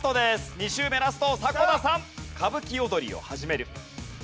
２周目ラスト迫田さん！